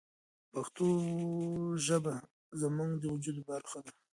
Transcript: پښتو ژبه زموږ د وجود برخه ده.